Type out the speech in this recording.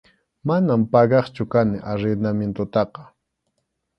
Manam pagaqchu kani arrendamientotaqa.